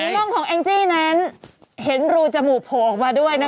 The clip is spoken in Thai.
กล้องของแองจี้นั้นเห็นรูจมูกโผล่ออกมาด้วยนะคะ